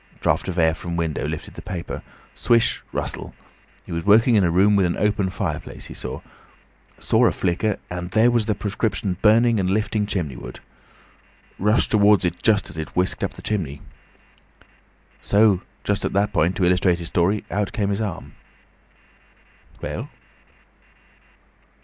Draught of air from window lifted the paper. Swish, rustle. He was working in a room with an open fireplace, he said. Saw a flicker, and there was the prescription burning and lifting chimneyward. Rushed towards it just as it whisked up the chimney. So! Just at that point, to illustrate his story, out came his arm." "Well?"